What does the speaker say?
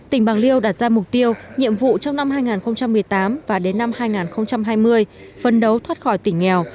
tỉnh bạc liêu đặt ra mục tiêu nhiệm vụ trong năm hai nghìn một mươi tám và đến năm hai nghìn hai mươi phân đấu thoát khỏi tỉnh nghèo